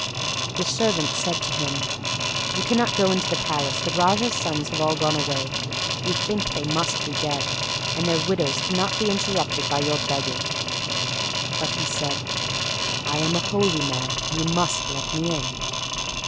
The servant said to him, "You cannot go into the palace—the Raja's sons have all gone away; we think they must be dead, and their widows cannot be interrupted by your begging." But he said, "I am a holy man, you must let me in.